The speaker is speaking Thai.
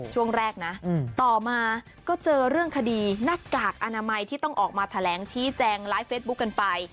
ช่วงแรกนะต่อมาก็เจอเรื่องคดีหน้ากากอนามัยที่ต้องออกมาแถลงชี้แจงไลฟ์เฟสบุ๊คกันไป